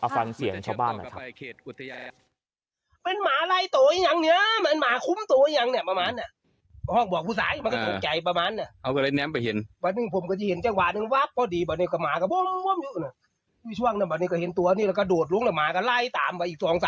ฟังเสียงชาวบ้านหน่อยครับ